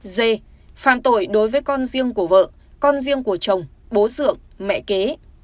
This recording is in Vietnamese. d phạm tội đối với con riêng của vợ con riêng của chồng bố sượng mẹ kế